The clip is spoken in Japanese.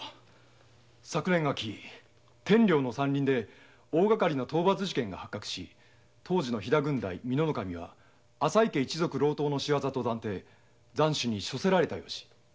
昨年秋天領の山林で大がかりな盗伐事件が発覚し当時の飛郡代美濃守は朝井家一族の仕業と断定斬首に処せられた由。